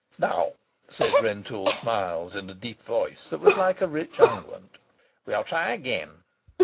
"Now," said Rentoul Smiles, in a deep voice that was like a rich unguent, "we'll try again.